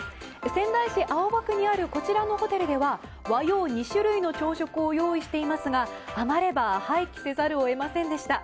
仙台市青葉区にあるこちらのホテルでは和洋２種類の朝食を用意していますが余れば廃棄せざるを得ませんでした。